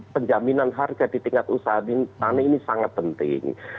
penjaminan harga di tingkat usaha tani ini sangat penting